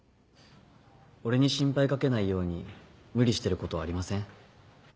俺に心配かけないように無理してることありません？